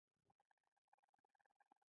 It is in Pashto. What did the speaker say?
د ده کتاب له ماسره ده.